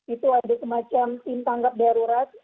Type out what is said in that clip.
itu ada semacam tim tangkap darurat